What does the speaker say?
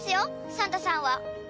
サンタさんは。